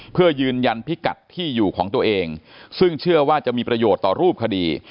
เพื่อยืนยันพิกัดที่อยู่ของตัวเองซึ่งเชื่อว่าจะมีประโยชน์ต่อรูปคดี